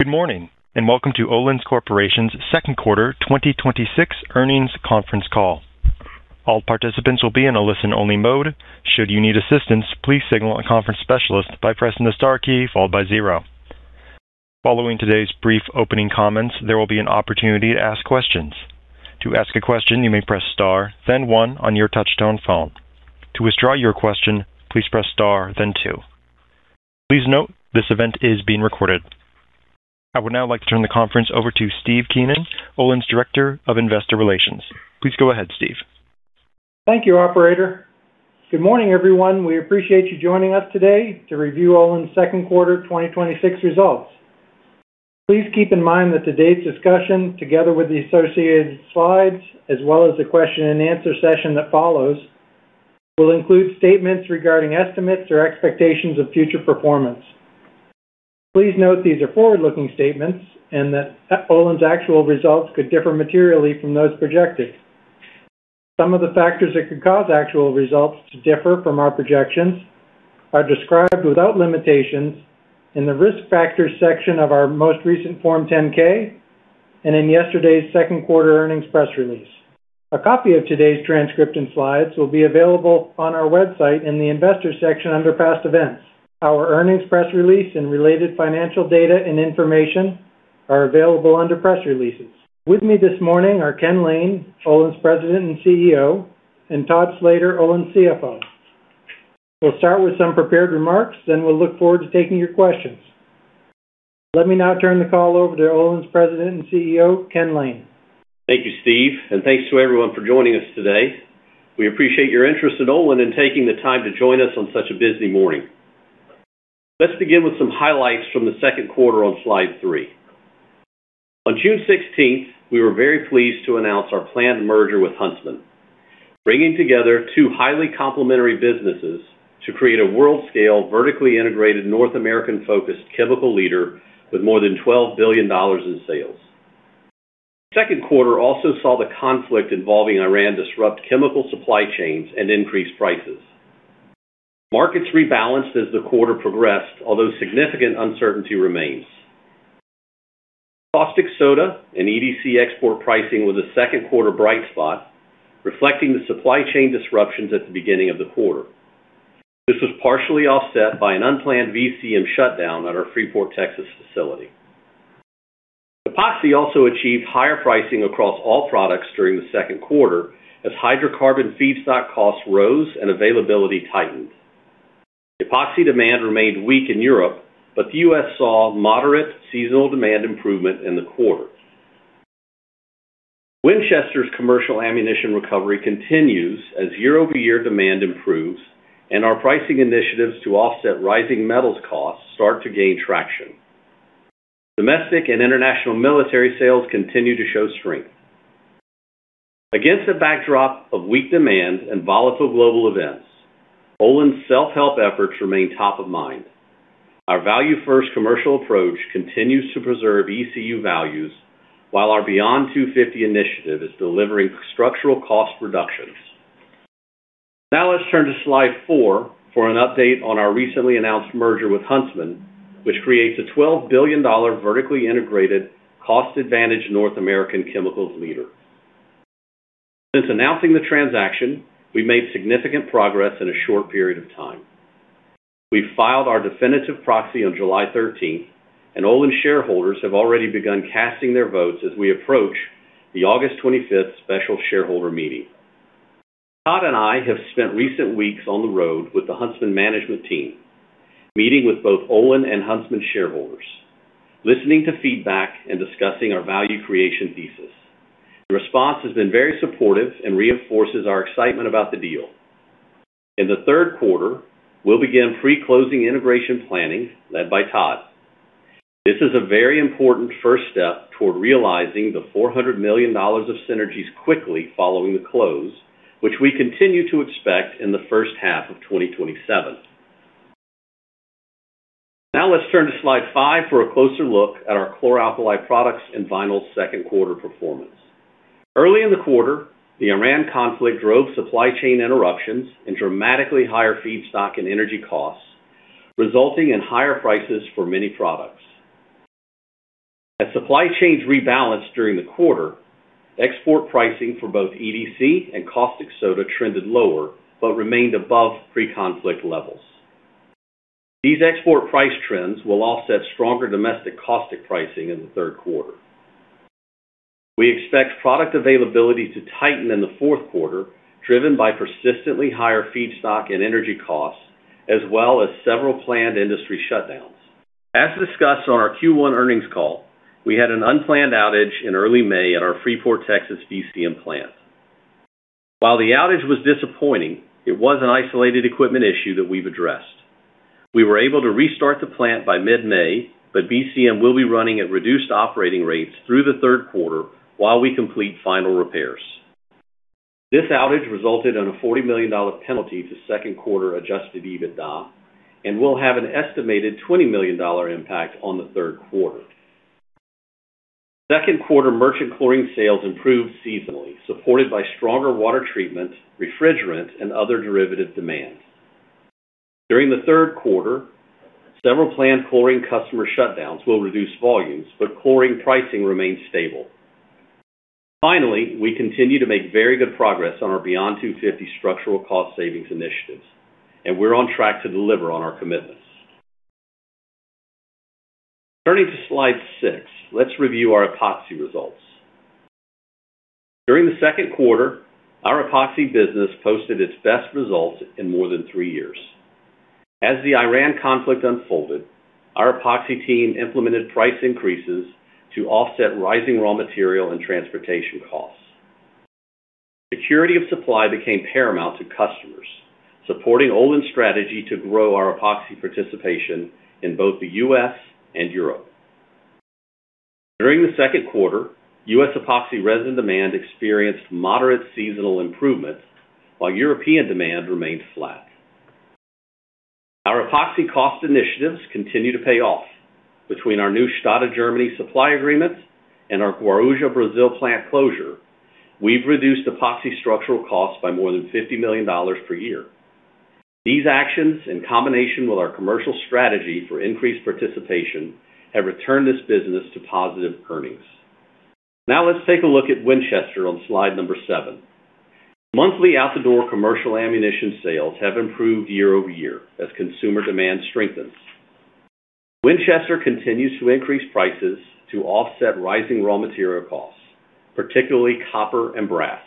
Good morning, welcome to Olin Corporation's second quarter 2026 earnings conference call. All participants will be in a listen-only mode. Should you need assistance, please signal a conference specialist by pressing the star key followed by zero. Following today's brief opening comments, there will be an opportunity to ask questions. To ask a question, you may press star then one on your touchtone phone. To withdraw your question, please press star then two. Please note this event is being recorded. I would now like to turn the conference over to Steve Keenan, Olin's Director of Investor Relations. Please go ahead, Steve. Thank you, operator. Good morning, everyone. We appreciate you joining us today to review Olin's second quarter 2026 results. Please keep in mind that today's discussion, together with the associated slides, as well as the question and answer session that follows, will include statements regarding estimates or expectations of future performance. Please note these are forward-looking statements and that Olin's actual results could differ materially from those projected. Some of the factors that could cause actual results to differ from our projections are described without limitations in the Risk Factors section of our most recent Form 10-K and in yesterday's second quarter earnings press release. A copy of today's transcript and slides will be available on our website in the Investors section under Past Events. Our earnings press release and related financial data and information are available under Press Releases. With me this morning are Ken Lane, Olin's President and CEO, and Todd Slater, Olin's CFO. We'll start with some prepared remarks, then we'll look forward to taking your questions. Let me now turn the call over to Olin's President and CEO, Ken Lane. Thank you, Steve, and thanks to everyone for joining us today. We appreciate your interest in Olin and taking the time to join us on such a busy morning. Let's begin with some highlights from the second quarter on slide three. On June 16th, we were very pleased to announce our planned merger with Huntsman, bringing together two highly complementary businesses to create a world-scale, vertically integrated North American-focused chemical leader with more than $12 billion in sales. Second quarter also saw the conflict involving Iran disrupt chemical supply chains and increase prices. Markets rebalanced as the quarter progressed, although significant uncertainty remains. Caustic soda and EDC export pricing was a second quarter bright spot, reflecting the supply chain disruptions at the beginning of the quarter. This was partially offset by an unplanned VCM shutdown at our Freeport, Texas facility. Epoxy also achieved higher pricing across all products during the second quarter as hydrocarbon feedstock costs rose and availability tightened. Epoxy demand remained weak in Europe, but the U.S. saw moderate seasonal demand improvement in the quarter. Winchester's commercial ammunition recovery continues as year-over-year demand improves and our pricing initiatives to offset rising metals costs start to gain traction. Domestic and international military sales continue to show strength. Against a backdrop of weak demand and volatile global events, Olin's self-help efforts remain top of mind. Our value-first commercial approach continues to preserve ECU values, while our Beyond 250 initiative is delivering structural cost reductions. Now let's turn to slide four for an update on our recently announced merger with Huntsman, which creates a $12 billion vertically integrated cost-advantaged North American chemicals leader. Since announcing the transaction, we've made significant progress in a short period of time. We filed our definitive proxy on July 13th, and Olin shareholders have already begun casting their votes as we approach the August 25th special shareholder meeting. Todd and I have spent recent weeks on the road with the Huntsman management team, meeting with both Olin and Huntsman shareholders, listening to feedback, and discussing our value creation thesis. The response has been very supportive and reinforces our excitement about the deal. In the third quarter, we'll begin pre-closing integration planning led by Todd. This is a very important first step toward realizing the $400 million of synergies quickly following the close, which we continue to expect in the first half of 2027. Now let's turn to slide five for a closer look at our Chlor-Alkali products and vinyl second quarter performance. Early in the quarter, the Iran conflict drove supply chain interruptions and dramatically higher feedstock and energy costs, resulting in higher prices for many products. As supply chains rebalanced during the quarter, export pricing for both EDC and caustic soda trended lower but remained above pre-conflict levels. These export price trends will offset stronger domestic caustic pricing in the third quarter. We expect product availability to tighten in the fourth quarter, driven by persistently higher feedstock and energy costs as well as several planned industry shutdowns. As discussed on our Q1 earnings call, we had an unplanned outage in early May at our Freeport, Texas VCM plant. While the outage was disappointing, it was an isolated equipment issue that we've addressed. We were able to restart the plant by mid-May, but VCM will be running at reduced operating rates through the third quarter while we complete final repairs. This outage resulted in a $40 million penalty to second quarter adjusted EBITDA and will have an estimated $20 million impact on the third quarter. Second quarter merchant chlorine sales improved seasonally, supported by stronger water treatment, refrigerant, and other derivative demands. During the third quarter, several planned chlorine customer shutdowns will reduce volumes, but chlorine pricing remains stable. Finally, we continue to make very good progress on our Beyond 250 structural cost savings initiatives, and we're on track to deliver on our commitments. Turning to slide six, let's review our epoxy results. During the second quarter, our epoxy business posted its best results in more than three years. As the Iran conflict unfolded, our epoxy team implemented price increases to offset rising raw material and transportation costs. Security of supply became paramount to customers, supporting Olin's strategy to grow our epoxy participation in both the U.S. and Europe. During the second quarter, U.S. epoxy resin demand experienced moderate seasonal improvements, while European demand remained flat. Our epoxy cost initiatives continue to pay off. Between our new Stade, Germany supply agreements and our Guarujá, Brazil plant closure, we've reduced epoxy structural costs by more than $50 million per year. These actions, in combination with our commercial strategy for increased participation, have returned this business to positive earnings. Now let's take a look at Winchester on slide number seven. Monthly out-the-door commercial ammunition sales have improved year-over-year as consumer demand strengthens. Winchester continues to increase prices to offset rising raw material costs, particularly copper and brass.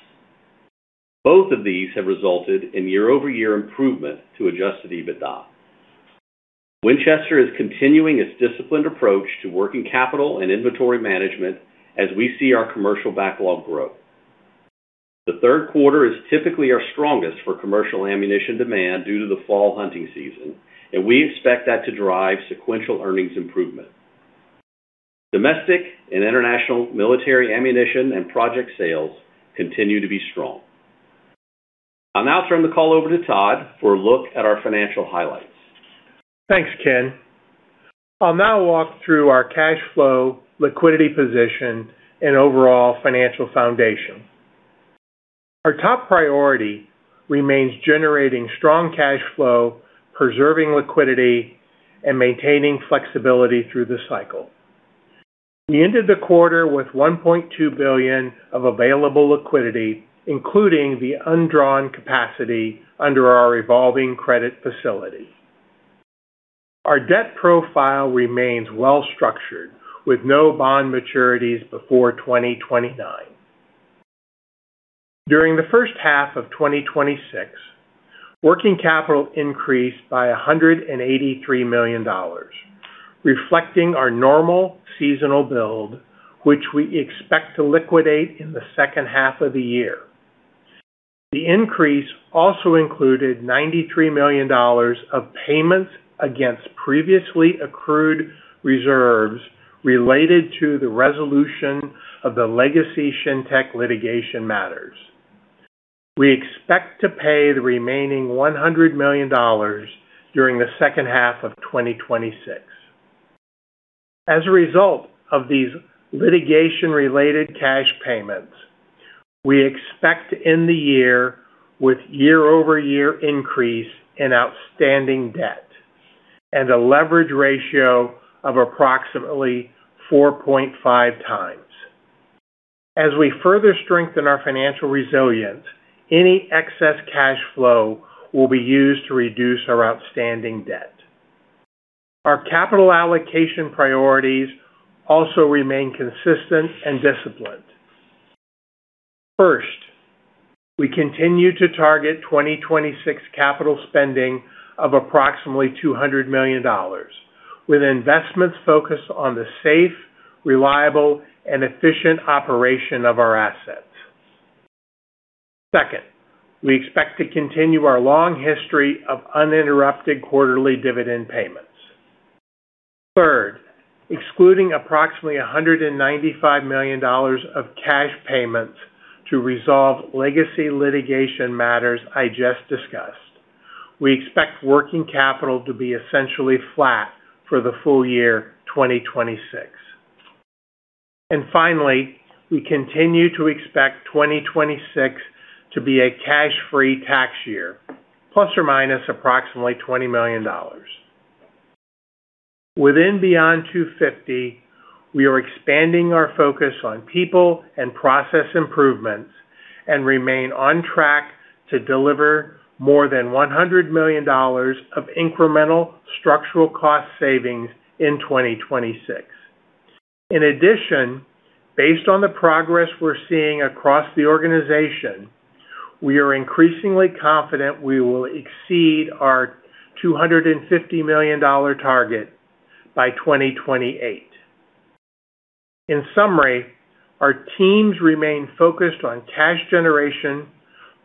Both of these have resulted in year-over-year improvement to adjusted EBITDA. Winchester is continuing its disciplined approach to working capital and inventory management as we see our commercial backlog grow. The third quarter is typically our strongest for commercial ammunition demand due to the fall hunting season. We expect that to drive sequential earnings improvement. Domestic and international military ammunition and project sales continue to be strong. I'll now turn the call over to Todd for a look at our financial highlights. Thanks, Ken. I'll now walk through our cash flow, liquidity position, and overall financial foundation. Our top priority remains generating strong cash flow, preserving liquidity, and maintaining flexibility through the cycle. We ended the quarter with $1.2 billion of available liquidity, including the undrawn capacity under our revolving credit facility. Our debt profile remains well-structured, with no bond maturities before 2029. During the first half of 2026, working capital increased by $183 million, reflecting our normal seasonal build, which we expect to liquidate in the second half of the year. The increase also included $93 million of payments against previously accrued reserves related to the resolution of the legacy Shintech litigation matters. We expect to pay the remaining $100 million during the second half of 2026. As a result of these litigation-related cash payments, we expect to end the year with year-over-year increase in outstanding debt, a leverage ratio of approximately 4.5x. We further strengthen our financial resilience, any excess cash flow will be used to reduce our outstanding debt. Our capital allocation priorities also remain consistent and disciplined. First, we continue to target 2026 capital spending of approximately $200 million, with investments focused on the safe, reliable, and efficient operation of our assets. Second, we expect to continue our long history of uninterrupted quarterly dividend payments. Third, excluding approximately $195 million of cash payments to resolve legacy litigation matters I just discussed, we expect working capital to be essentially flat for the full year 2026. Finally, we continue to expect 2026 to be a cash-free tax year, ±$20 million. Within Beyond 250, we are expanding our focus on people and process improvements and remain on track to deliver more than $100 million of incremental structural cost savings in 2026. In addition, based on the progress we're seeing across the organization, we are increasingly confident we will exceed our $250 million target by 2028. In summary, our teams remain focused on cash generation,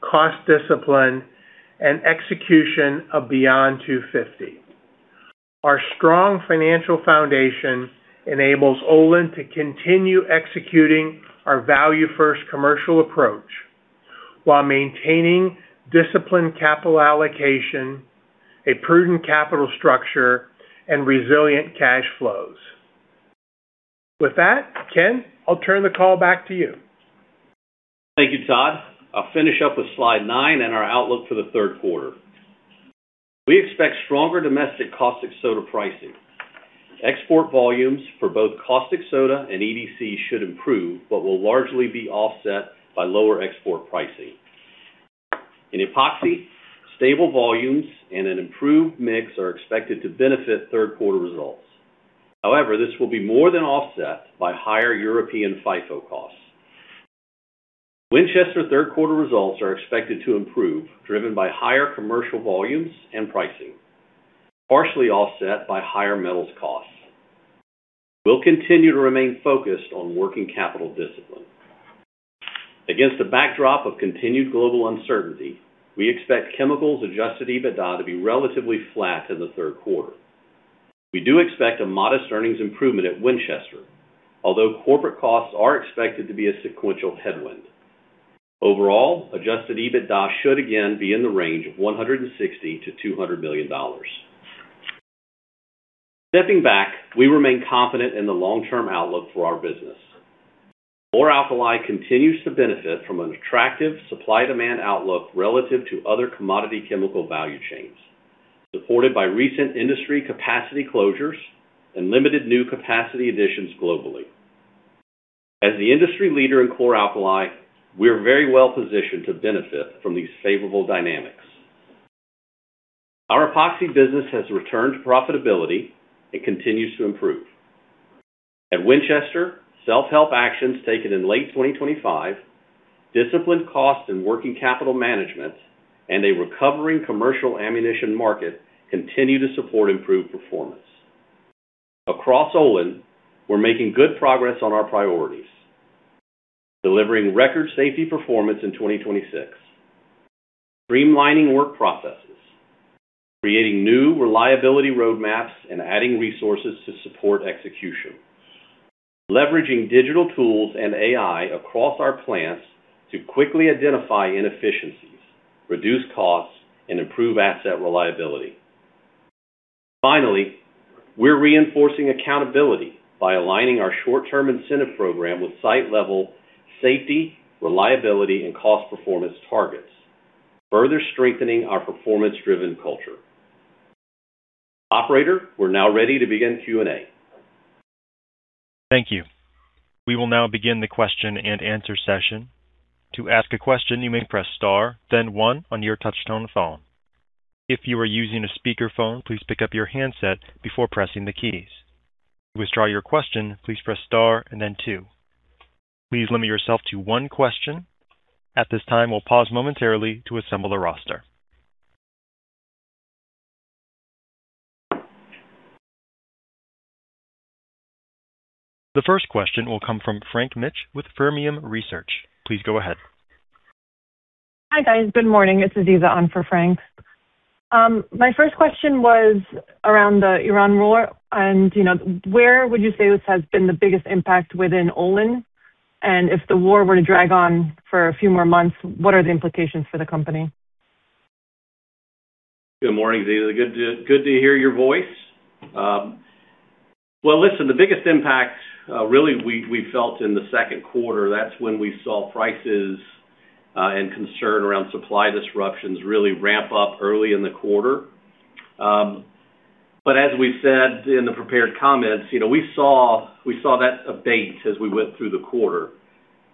cost discipline, and execution of Beyond 250. Our strong financial foundation enables Olin to continue executing our value first commercial approach while maintaining disciplined capital allocation, a prudent capital structure, and resilient cash flows. With that, Ken, I'll turn the call back to you. Thank you, Todd. I'll finish up with slide nine and our outlook for the third quarter. We expect stronger domestic caustic soda pricing. Export volumes for both caustic soda and EDC should improve, but will largely be offset by lower export pricing. In Epoxy, stable volumes and an improved mix are expected to benefit third quarter results. However, this will be more than offset by higher European FIFO costs. Winchester third quarter results are expected to improve, driven by higher commercial volumes and pricing, partially offset by higher metals costs. We'll continue to remain focused on working capital discipline. Against a backdrop of continued global uncertainty, we expect Chemicals' adjusted EBITDA to be relatively flat in the third quarter. We do expect a modest earnings improvement at Winchester, although corporate costs are expected to be a sequential headwind. Overall, adjusted EBITDA should again be in the range of $160 million-$200 million. Stepping back, we remain confident in the long-term outlook for our business. Chlor-Alkali continues to benefit from an attractive supply-demand outlook relative to other commodity chemical value chains, supported by recent industry capacity closures and limited new capacity additions globally. As the industry leader in Chlor-Alkali, we are very well positioned to benefit from these favorable dynamics. Our epoxy business has returned to profitability and continues to improve. At Winchester, self-help actions taken in late 2025, disciplined cost and working capital management, and a recovering commercial ammunition market continue to support improved performance. Across Olin, we're making good progress on our priorities: delivering record safety performance in 2026, streamlining work processes, creating new reliability roadmaps, and adding resources to support execution. Leveraging digital tools and AI across our plants to quickly identify inefficiencies, reduce costs, and improve asset reliability. Finally, we're reinforcing accountability by aligning our short-term incentive program with site-level safety, reliability, and cost performance targets, further strengthening our performance-driven culture. Operator, we're now ready to begin Q&A. Thank you. We will now begin the question and answer session. To ask a question, you may press star then one on your touchtone phone. If you are using a speakerphone, please pick up your handset before pressing the keys. To withdraw your question, please press star and then two. Please limit yourself to one question. At this time, we'll pause momentarily to assemble the roster. The first question will come from Frank Mitsch with Fermium Research. Please go ahead. Hi, guys. Good morning. It's Aziza on for Frank. My first question was around the Iran war, and where would you say this has been the biggest impact within Olin? If the war were to drag on for a few more months, what are the implications for the company? Good morning, Aziza. Good to hear your voice. Well, listen, the biggest impact really we felt in the second quarter, that's when we saw prices and concern around supply disruptions really ramp up early in the quarter. As we've said in the prepared comments, we saw that abate as we went through the quarter.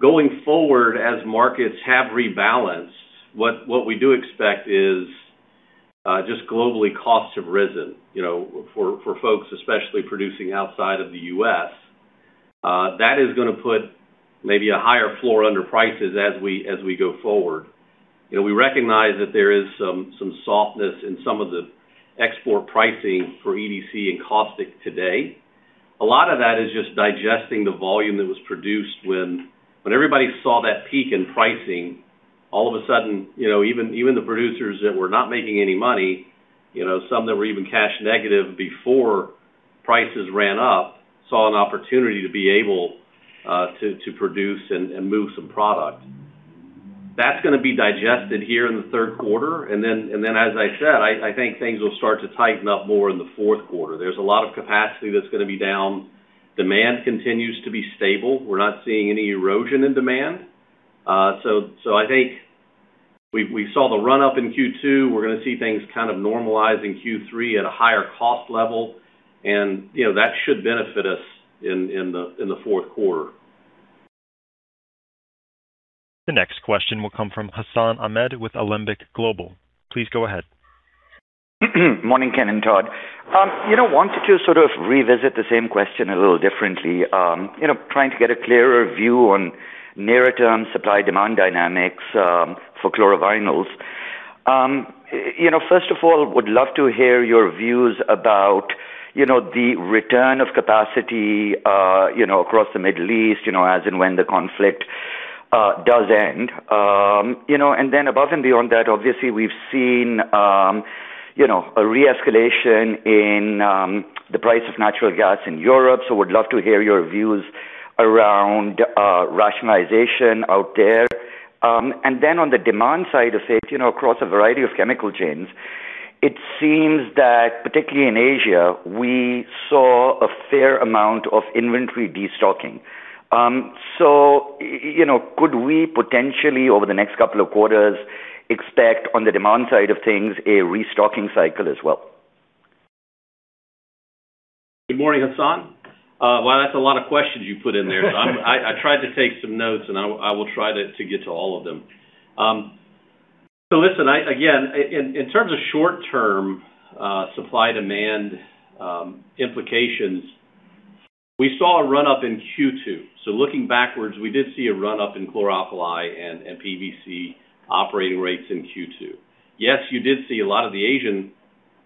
Going forward, as markets have rebalanced, what we do expect is just globally costs have risen for folks especially producing outside of the U.S. That is going to put maybe a higher floor under prices as we go forward. We recognize that there is some softness in some of the export pricing for EDC and caustic today. A lot of that is just digesting the volume that was produced when everybody saw that peak in pricing, all of a sudden, even the producers that were not making any money, some that were even cash negative before prices ran up, saw an opportunity to be able to produce and move some product. That's going to be digested here in the third quarter, and then as I said, I think things will start to tighten up more in the fourth quarter. There's a lot of capacity that's going to be down. Demand continues to be stable. We're not seeing any erosion in demand. I think we saw the run-up in Q2. We're going to see things kind of normalize in Q3 at a higher cost level, and that should benefit us in the fourth quarter. The next question will come from Hassan Ahmed with Alembic Global. Please go ahead. Morning, Ken and Todd. Wanted to sort of revisit the same question a little differently. Trying to get a clearer view on near-term supply-demand dynamics for chlorovinyls. First of all, would love to hear your views about the return of capacity across the Middle East, as in when the conflict does end. Above and beyond that, obviously, we've seen a re-escalation in the price of natural gas in Europe, would love to hear your views around rationalization out there. On the demand side of things, across a variety of chemical chains, it seems that particularly in Asia, we saw a fair amount of inventory destocking. Could we potentially, over the next couple of quarters, expect on the demand side of things, a restocking cycle as well? Good morning, Hassan. Wow, that's a lot of questions you put in there. I tried to take some notes, and I will try to get to all of them. Listen, again, in terms of short-term supply-demand implications, we saw a run-up in Q2. Looking backwards, we did see a run-up in Chlor-Alkali and PVC operating rates in Q2. Yes, you did see a lot of the Asian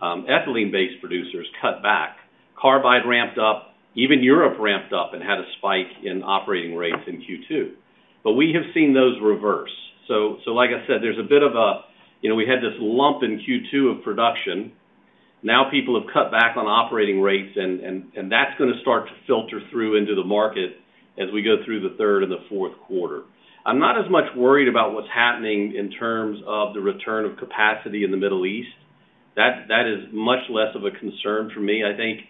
ethylene-based producers cut back. Carbide ramped up. Even Europe ramped up and had a spike in operating rates in Q2. We have seen those reverse. Like I said, we had this lump in Q2 of production. Now people have cut back on operating rates, and that's going to start to filter through into the market as we go through the third and the fourth quarter. I'm not as much worried about what's happening in terms of the return of capacity in the Middle East. That is much less of a concern for me. I think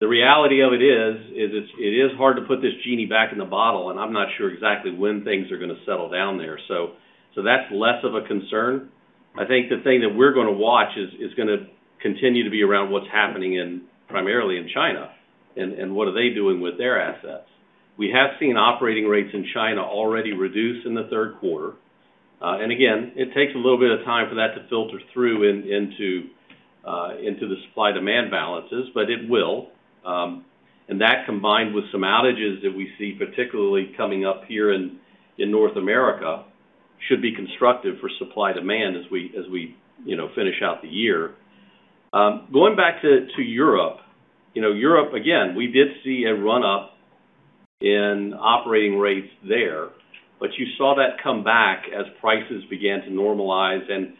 the reality of it is, it is hard to put this genie back in the bottle, and I'm not sure exactly when things are going to settle down there. That's less of a concern. I think the thing that we're going to watch is going to continue to be around what's happening primarily in China and what are they doing with their assets. We have seen operating rates in China already reduce in the third quarter. Again, it takes a little bit of time for that to filter through into the supply-demand balances, but it will. That combined with some outages that we see, particularly coming up here in North America, should be constructive for supply-demand as we finish out the year. Going back to Europe. Europe, again, we did see a run-up in operating rates there, you saw that come back as prices began to normalize and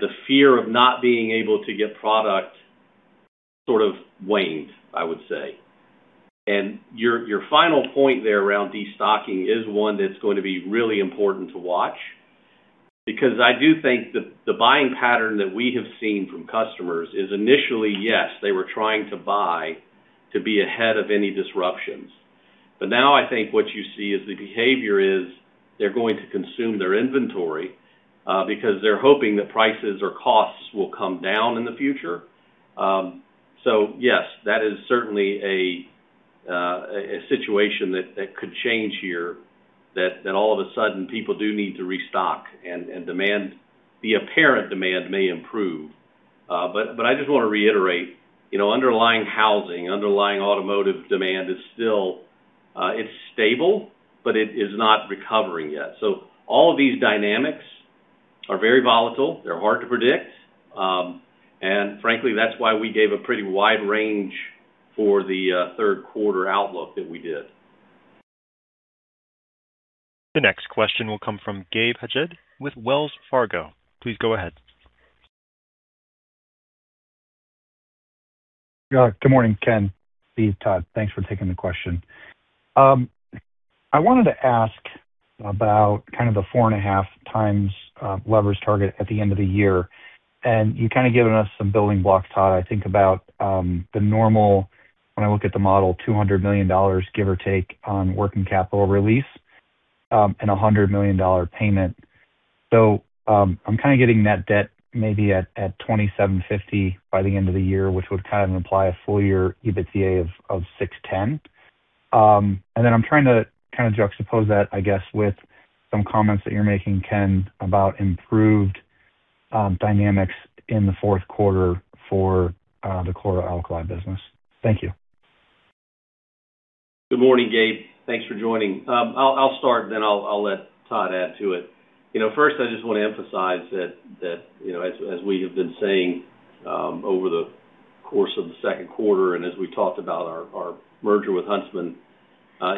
the fear of not being able to get product sort of waned, I would say. Your final point there around destocking is one that's going to be really important to watch because I do think the buying pattern that we have seen from customers is initially, yes, they were trying to buy to be ahead of any disruptions. Now I think what you see is the behavior is they're going to consume their inventory because they're hoping that prices or costs will come down in the future. Yes, that is certainly a situation that could change here, that all of a sudden people do need to restock and the apparent demand may improve. I just want to reiterate, underlying housing, underlying automotive demand is still stable, but it is not recovering yet. All of these dynamics are very volatile. They're hard to predict. Frankly, that's why we gave a pretty wide range for the third quarter outlook that we did. The next question will come from Gabe Hajde with Wells Fargo. Please go ahead. Good morning, Ken. Steve, Todd, thanks for taking the question. I wanted to ask about kind of the 4.5x leverage target at the end of the year. You kind of given us some building blocks, Todd, I think about the normal, when I look at the model, $200 million, give or take, on working capital release and $100 million payment. I'm kind of getting that debt maybe at $2,750 by the end of the year, which would kind of imply a full year EBITDA of $610. Then I'm trying to kind of juxtapose that, I guess, with some comments that you're making, Ken, about improved dynamics in the fourth quarter for the Chlor-Alkali business. Thank you. Good morning, Gabe. Thanks for joining. I'll start, then I'll let Todd add to it. First, I just want to emphasize that as we have been saying over the course of the second quarter and as we talked about our merger with Huntsman,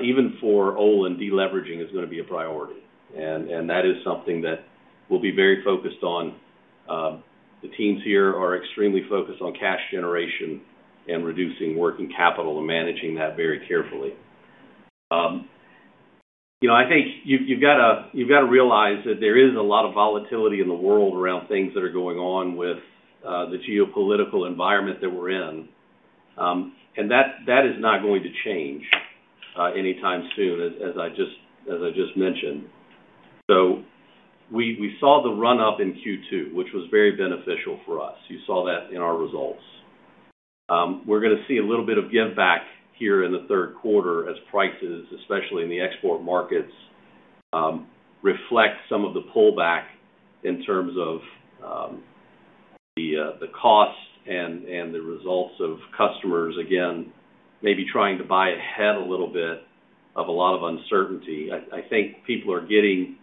even for Olin, deleveraging is going to be a priority. That is something that we'll be very focused on. The teams here are extremely focused on cash generation and reducing working capital and managing that very carefully. I think you've got to realize that there is a lot of volatility in the world around things that are going on with the geopolitical environment that we're in. That is not going to change anytime soon, as I just mentioned. We saw the run-up in Q2, which was very beneficial for us. You saw that in our results. We're going to see a little bit of giveback here in the third quarter as prices, especially in the export markets, reflect some of the pullback in terms of the costs and the results of customers, again, maybe trying to buy ahead a little bit of a lot of uncertainty. I think people are getting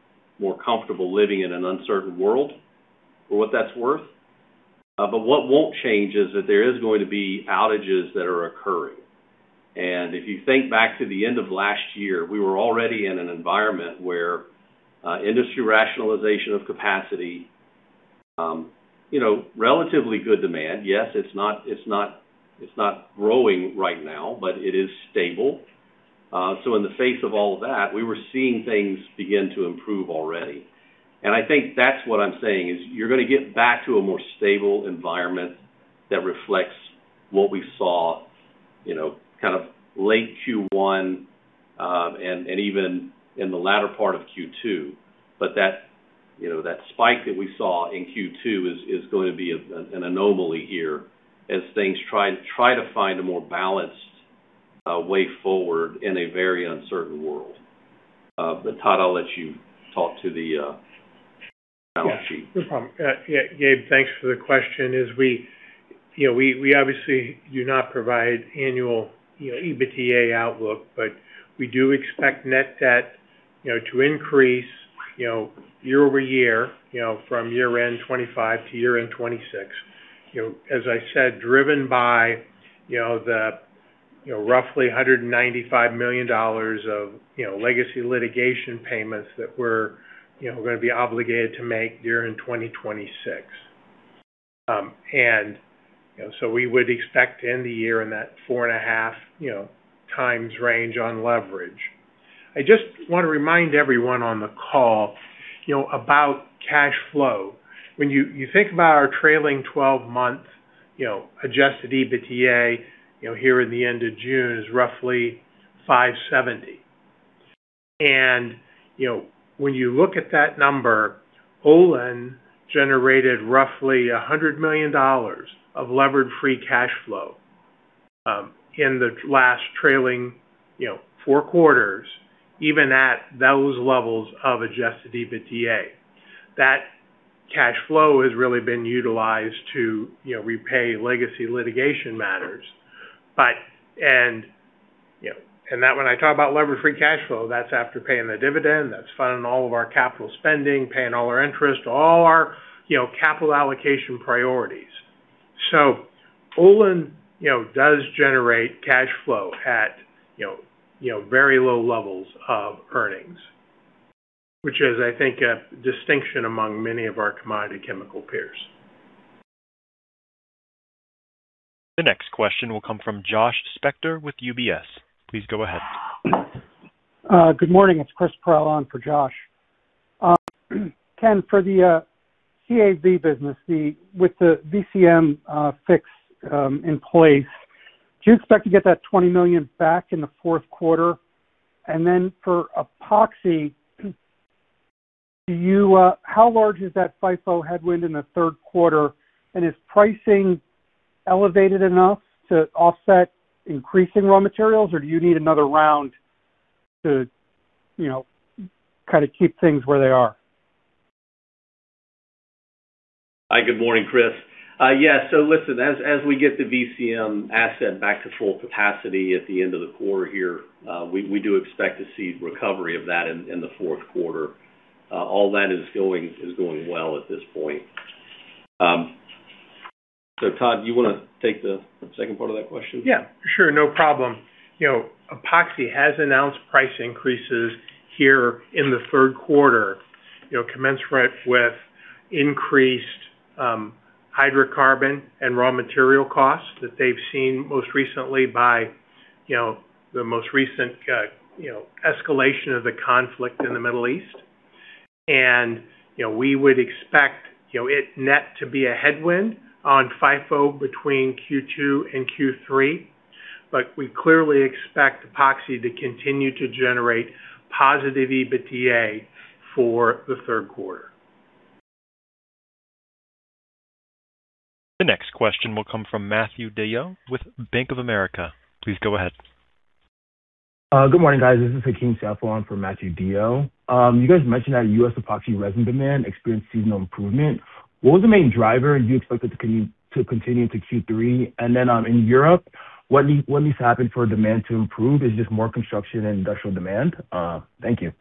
more comfortable living in an uncertain world, for what that's worth. What won't change is that there is going to be outages that are occurring. If you think back to the end of last year, we were already in an environment where industry rationalization of capacity, relatively good demand. Yes, it's not growing right now, but it is stable. In the face of all that, we were seeing things begin to improve already. I think that's what I'm saying is you're going to get back to a more stable environment that reflects what we saw kind of late Q1 and even in the latter part of Q2. That spike that we saw in Q2 is going to be an anomaly here as things try to find a more balanced way forward in a very uncertain world. Todd, I'll let you talk to the balance sheet. Yeah, no problem. Gabe, thanks for the question. As we obviously do not provide annual EBITDA outlook, but we do expect net debt to increase year-over-year from year-end 2025 to year-end 2026. As I said, driven by the roughly $195 million of legacy litigation payments that we're going to be obligated to make year-end 2026. We would expect to end the year in that 4.5x range on leverage. I just want to remind everyone on the call about cash flow. When you think about our trailing 12-month adjusted EBITDA, here in the end of June is roughly $570. When you look at that number, Olin generated roughly $100 million of levered free cash flow in the last trailing four quarters, even at those levels of adjusted EBITDA. That cash flow has really been utilized to repay legacy litigation matters. When I talk about levered free cash flow, that is after paying the dividend, that is funding all of our capital spending, paying all our interest, all our capital allocation priorities. Olin does generate cash flow at very low levels of earnings, which is, I think, a distinction among many of our commodity chemical peers. The next question will come from Josh Spector with UBS. Please go ahead. Good morning. It is Chris Perrella for Josh. Ken, for the CAV business, with the VCM fix in place, do you expect to get that $20 million back in the fourth quarter? Then for Epoxy, how large is that FIFO headwind in the third quarter, and is pricing elevated enough to offset increasing raw materials, or do you need another round to kind of keep things where they are? Hi, good morning, Chris. Listen, as we get the VCM asset back to full capacity at the end of the quarter here, we do expect to see recovery of that in the fourth quarter. All that is going well at this point. Todd, do you want to take the second part of that question? Yeah, sure. No problem. Epoxy has announced price increases here in the third quarter, commensurate with increased hydrocarbon and raw material costs that they've seen most recently by the most recent escalation of the conflict in the Middle East. We would expect it net to be a headwind on FIFO between Q2 and Q3. We clearly expect Epoxy to continue to generate positive EBITDA for the third quarter. The next question will come from Matthew DeYoe with Bank of America. Please go ahead. Good morning, guys. This is Akeem Saffa for Matthew DeYoe. You guys mentioned that U.S. epoxy resin demand experienced seasonal improvement. What was the main driver, and do you expect it to continue into Q3? Then in Europe, what needs to happen for demand to improve? Is it just more construction and industrial demand? Thank you.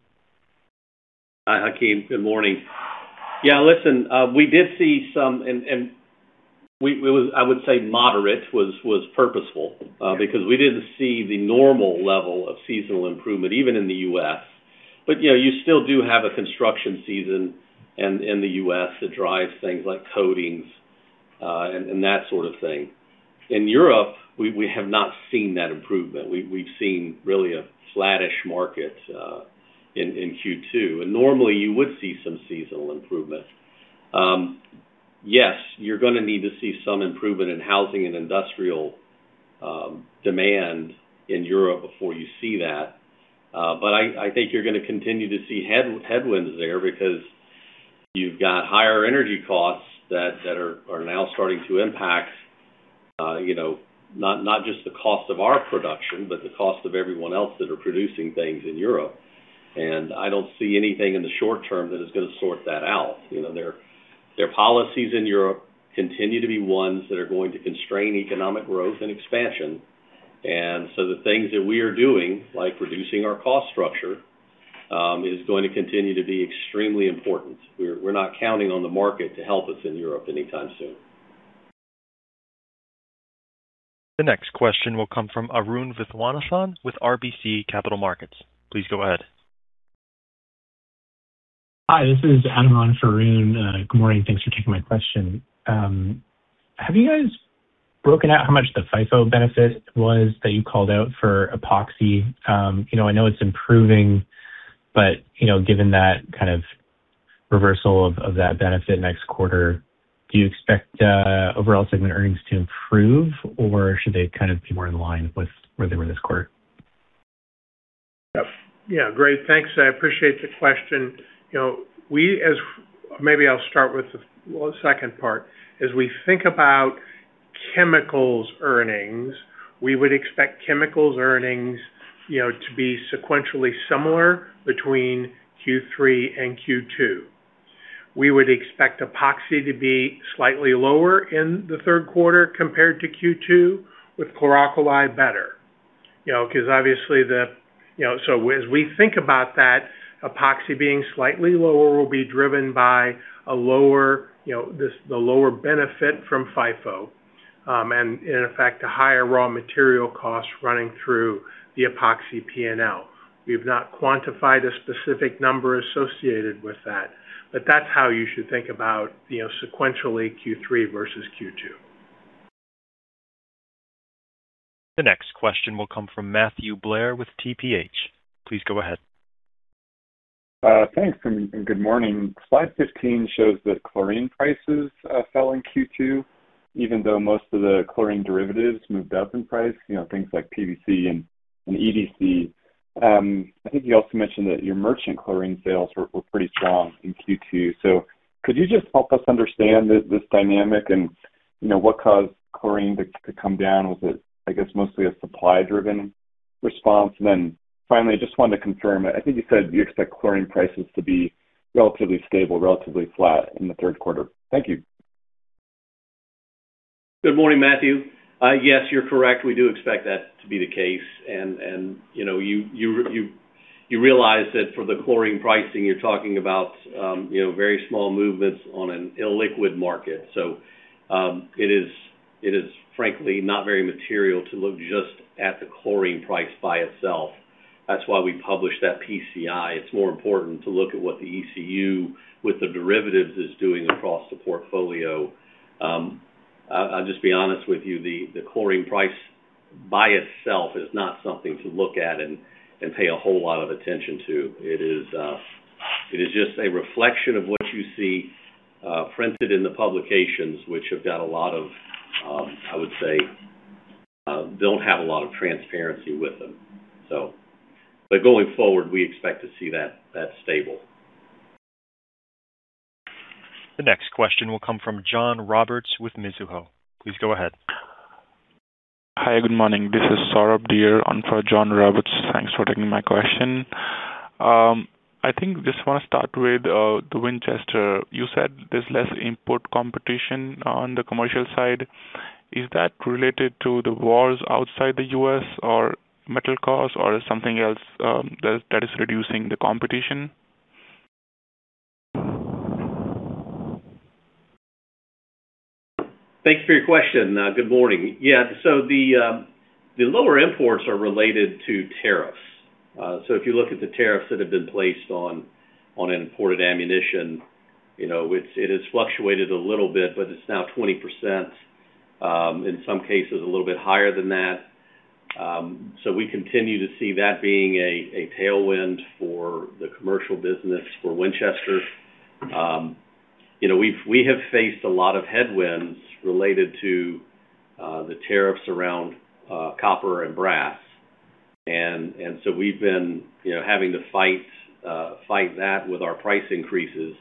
Hi, Akeem. Good morning. Yeah, listen, we did see some, I would say moderate was purposeful because we didn't see the normal level of seasonal improvement even in the U.S. You still do have a construction season in the U.S. that drives things like coatings and that sort of thing. In Europe, we have not seen that improvement. We've seen really a flattish market in Q2. Normally you would see some seasonal improvement. Yes, you're going to need to see some improvement in housing and industrial demand in Europe before you see that. I think you're going to continue to see headwinds there because you've got higher energy costs that are now starting to impact not just the cost of our production, but the cost of everyone else that are producing things in Europe. I don't see anything in the short term that is going to sort that out. Their policies in Europe continue to be ones that are going to constrain economic growth and expansion. The things that we are doing, like reducing our cost structure is going to continue to be extremely important. We're not counting on the market to help us in Europe anytime soon. The next question will come from Arun Viswanathan with RBC Capital Markets. Please go ahead. Hi, this is Anshuman for Arun. Good morning. Thanks for taking my question. Have you guys broken out how much the FIFO benefit was that you called out for epoxy? I know it's improving, but given that kind of reversal of that benefit next quarter, do you expect overall segment earnings to improve, or should they kind of be more in line with where they were this quarter? Yeah, great. Thanks. I appreciate the question. Maybe I'll start with the second part. As we think about Chemicals earnings, we would expect Chemicals earnings to be sequentially similar between Q3 and Q2. We would expect epoxy to be slightly lower in the third quarter compared to Q2, with Chlor-Alkali better. As we think about that, epoxy being slightly lower will be driven by the lower benefit from FIFO, and in effect, a higher raw material cost running through the epoxy P&L. We've not quantified a specific number associated with that, but that's how you should think about sequentially Q3 versus Q2. The next question will come from Matthew Blair with TPH. Please go ahead. Thanks. Good morning. Slide 15 shows that chlorine prices fell in Q2, even though most of the chlorine derivatives moved up in price, things like PVC and EDC. I think you also mentioned that your merchant chlorine sales were pretty strong in Q2. Could you just help us understand this dynamic and what caused chlorine to come down? Was it, I guess, mostly a supply-driven response? Then finally, I just wanted to confirm, I think you said you expect chlorine prices to be relatively stable, relatively flat in the third quarter. Thank you. Good morning, Matthew. Yes, you're correct. We do expect that to be the case. You realize that for the chlorine pricing, you're talking about very small movements on an illiquid market. It is frankly not very material to look just at the chlorine price by itself. That's why we published that PCI. It's more important to look at what the ECU with the derivatives is doing across the portfolio. I'll just be honest with you, the chlorine price by itself is not something to look at and pay a whole lot of attention to. It is just a reflection of what you see printed in the publications, which have got a lot of, I would say, don't have a lot of transparency with them. Going forward, we expect to see that stable. The next question will come from John Roberts with Mizuho. Please go ahead. Hi, good morning. This is Saurabh Dhir on for John Roberts. Thanks for taking my question. Just want to start with the Winchester. You said there's less import competition on the commercial side. Is that related to the wars outside the U.S. or metal costs or something else that is reducing the competition? Thanks for your question. Good morning. The lower imports are related to tariffs. If you look at the tariffs that have been placed on imported ammunition, it has fluctuated a little bit, but it's now 20%, in some cases a little bit higher than that. We continue to see that being a tailwind for the commercial business for Winchester. We have faced a lot of headwinds related to the tariffs around copper and brass, we've been having to fight that with our price increases.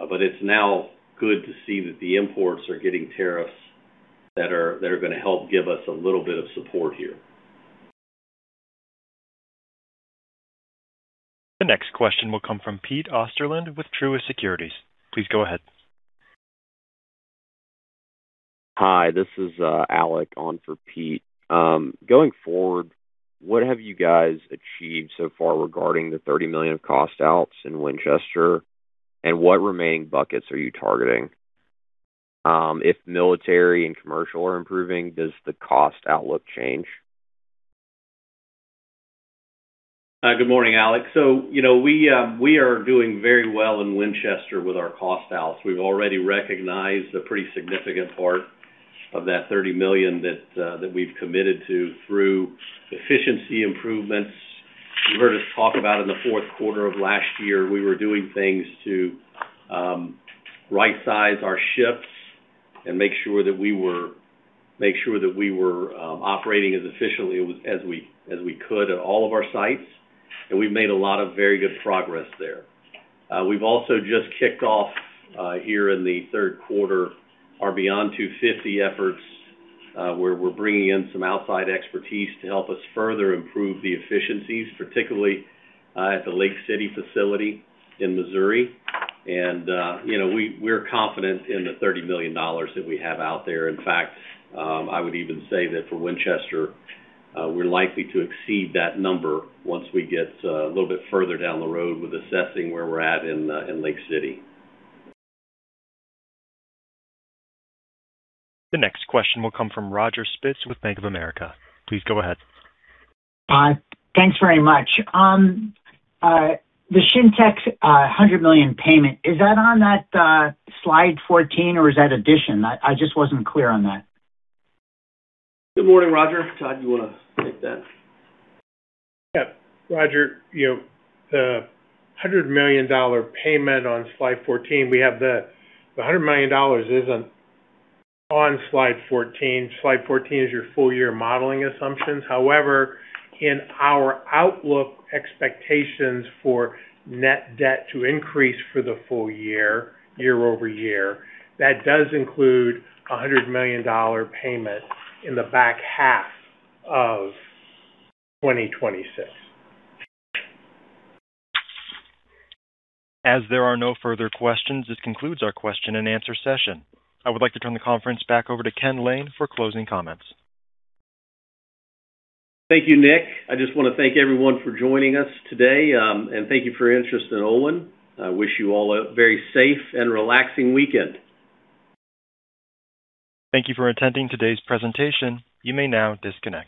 It's now good to see that the imports are getting tariffs that are going to help give us a little bit of support here. The next question will come from Peter Osterland with Truist Securities. Please go ahead. Hi, this is Alec on for Peter. Going forward, what have you guys achieved so far regarding the $30 million of cost outs in Winchester? What remaining buckets are you targeting? If military and commercial are improving, does the cost outlook change? Good morning, Alec. We are doing very well in Winchester with our cost outs. We've already recognized a pretty significant part of that $30 million that we've committed to through efficiency improvements. You heard us talk about in the fourth quarter of last year, we were doing things to rightsize our ships and make sure that we were operating as efficiently as we could at all of our sites, and we've made a lot of very good progress there. We've also just kicked off here in the third quarter our Beyond 250 efforts, where we're bringing in some outside expertise to help us further improve the efficiencies, particularly at the Lake City facility in Missouri. We're confident in the $30 million that we have out there. In fact, I would even say that for Winchester, we're likely to exceed that number once we get a little bit further down the road with assessing where we're at in Lake City. The next question will come from Roger Spitz with Bank of America. Please go ahead. Thanks very much. The Shintech's $100 million payment, is that on that Slide 14 or is that addition? I just wasn't clear on that. Good morning, Roger. Todd, you want to take that? Roger, the $100 million payment on Slide 14, the $100 million isn't on Slide 14. Slide 14 is your full year modeling assumptions. However, in our outlook expectations for net debt to increase for the full year-over-year, that does include a $100 million payment in the back half of 2026. As there are no further questions, this concludes our question and answer session. I would like to turn the conference back over to Ken Lane for closing comments. Thank you, Nick. I just want to thank everyone for joining us today, and thank you for your interest in Olin. I wish you all a very safe and relaxing weekend. Thank you for attending today's presentation. You may now disconnect.